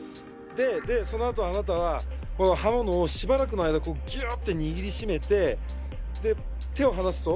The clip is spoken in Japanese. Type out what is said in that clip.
でそのあとあなたはこの刃物をしばらくの間ギュッて握りしめてで手を離すと。